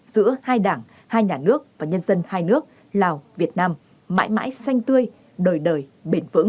giữa hai đảng hai nhà nước và nhân dân hai nước lào việt nam mãi mãi xanh tươi đời đời bền vững